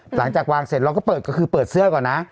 หลังจากวางเสร็จเราก็เปิดก็คือเปิดเสื้อก่อนนะ